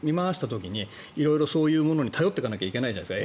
周りを見回した時に色々、そういうものに頼っていかないといけないじゃないですか。